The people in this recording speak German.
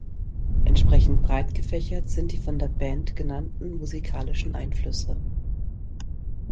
Entsprechend breit gefächert sind die von der Band genannten musikalischen Einflüsse.